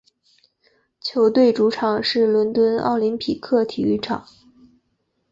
球队主场是伦敦奥林匹克体育场。